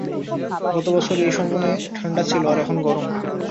গত বছর এই সময়ে ঠান্ডা ছিলো আর এখন গরম।